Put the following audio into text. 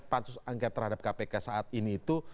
pransus anggap terhadap kpk saat ini itu